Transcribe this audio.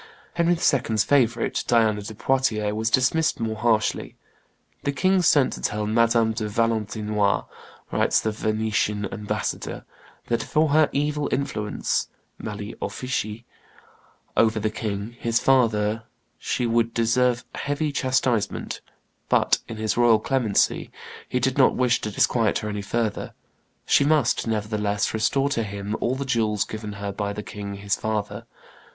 Henry II.'s favorite, Diana de Poitiers, was dismissed more harshly. "The king sent to tell Madame de Valentinois," writes the Venetian ambassador, "that for her evil influence (mali officii) over the king his father she would deserve heavy chastisement; but, in his royal clemency, he did not wish to disquiet her any further; she must, nevertheless, restore to him all the jewels given her by the king his father."